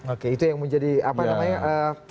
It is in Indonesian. oke itu yang menjadi apa namanya